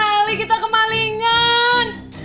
ali kita kemalingan